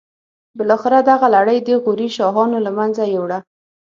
بالاخره دغه لړۍ د غوري شاهانو له منځه یوړه.